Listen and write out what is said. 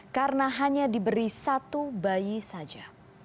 karena hanya diberi satu bayi saja